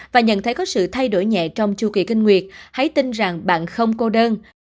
và nhận thấy có sự thay đổi nhẹ trong chu kỳ kinh nguyệt hãy tin rằng bạn không cô đơn